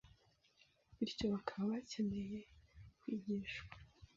bityo bakaba bakeneye kwigishwa